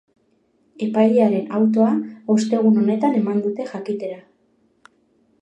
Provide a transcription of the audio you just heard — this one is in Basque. Epailearen autoa ostegun honetan eman dute jakitera.